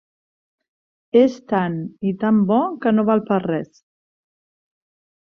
És tan i tan bo que no val per res.